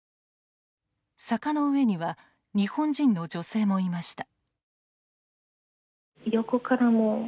坂の上には日本人の女性もいました。